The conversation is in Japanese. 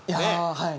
はい。